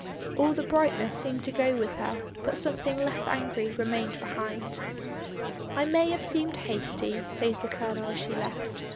All the bright ness seemed to go with her, but something less angry remained behind. "I may have seemed. hasty," says the Colonel as she left.